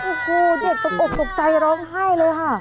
โอ้โหเด็กตกอกตกใจร้องไห้เลยค่ะ